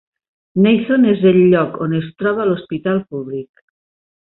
Nathon és el lloc on es troba l'hospital públic.